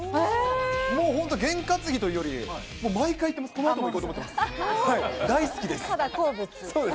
もう本当、験担ぎというより、もう毎回行ってます、このあとも行こうと思ってます。